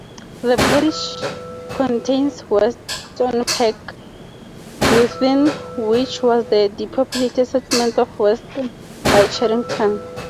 The parish contains Weston Park, within which was the depopulated settlement of Weston-by-Cherington.